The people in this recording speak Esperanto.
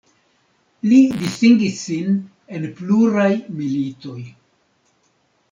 Li distingis sin en pluraj militoj.